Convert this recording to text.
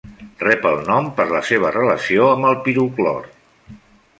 Rep el nom per la seva relació amb el piroclor.